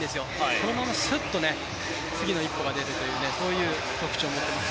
そのまますっと次の一歩が出るという特徴を持っています。